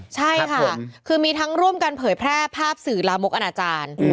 ใช่ค่ะคือมีทั้งร่วมกันเผยแพร่ภาพสื่อลามกอนาจารย์